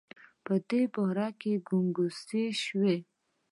په دربار کې ګنګوسې شوې.